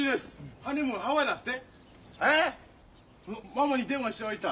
ママに電話しておいた。